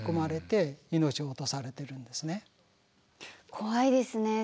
怖いですね。